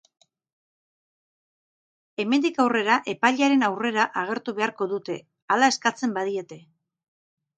Hemendik aurrera, epailearen aurrera agertu beharko dute, hala eskatzen badiete.